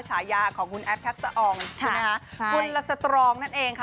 ฉายาของคุณแอฟแท็กซะอองคุณละสตรองนั่นเองค่ะ